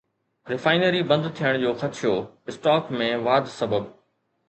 refinery بند ٿيڻ جو خدشو، اسٽاڪ ۾ واڌ سبب